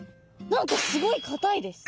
何かすごいかたいです